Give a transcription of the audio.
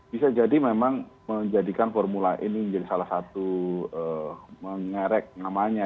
bisa jadi memang menjadikan formula e ini menjadi salah satu mengerek namanya